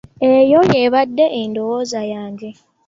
Eyo y'ebadde endowooza yange.